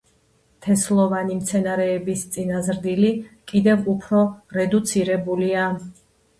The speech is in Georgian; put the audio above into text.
თესლოვანი მცენარეების წინაზრდილი კიდევ უფრო რედუცირებულია.